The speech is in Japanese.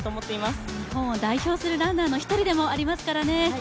日本を代表するランナーの一人でもありますからね。